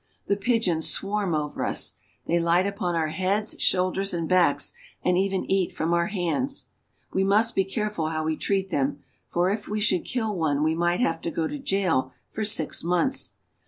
The pigeons swarm over us. They light upon our heads, shoulders, and backs, and even eat from our hands. We must be careful how we treat them, for if we should kill one we might have to go to jail for six months.